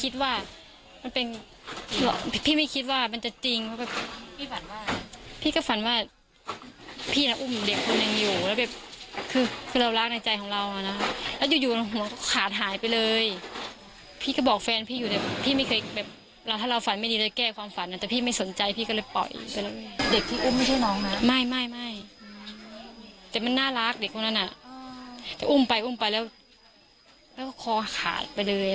ด็กที่อุ้มไม่ใช่น้องเหรอไม่แต่มันน่ารักเด็กคนนั้นโน่นด์อุ้มไปอุ้มไปเค้าักขอขาดไปเลย